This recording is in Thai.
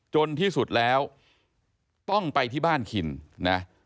จนที่สุดแล้วต้องไปที่บ้านคินนะ